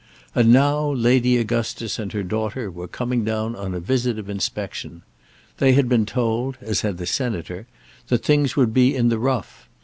And now Lady Augustus and her daughter were coming down on a visit of inspection. They had been told, as had the Senator, that things would be in the rough.